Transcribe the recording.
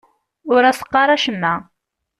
Ur as-qqar acemma.